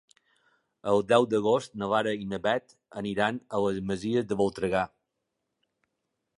El deu d'agost na Lara i na Beth aniran a les Masies de Voltregà.